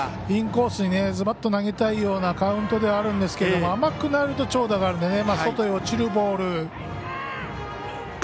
インコースにズバッと投げたいようなカウントではあるんですけども甘くなると長打があるので外へ落ちるボール。